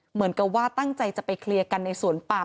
เหมือนกับว่าตั้งใจจะไปเคลียร์กันในสวนปาม